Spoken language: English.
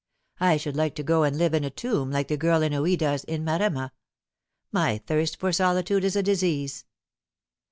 I should like to go and live in a tomb like the girl in Ouida's In Maremma. My thirst for solitude is a disease."